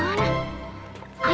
pesan tren kunanta